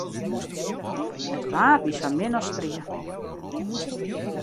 It waar wie sa min as strie.